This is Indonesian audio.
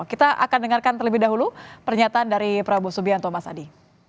kita akan dengarkan terlebih dahulu pernyataan dari prabowo subianto mas adi